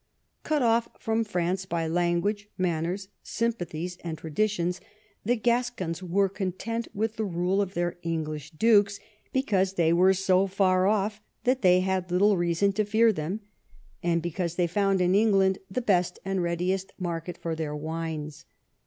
Cut off" from France by language, manners, sympathies, and traditions, the Gascons were content with the rule of their English dukes, because they were so far oft" that they had little reason to fear them, and because they I EARLY YEAES 23 found in England the best and readiest market for their wines.